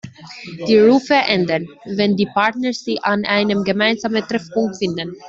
Die Rufe enden, wenn die Partner sich an einem gemeinsamen Treffpunkt finden.